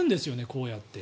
こうやって。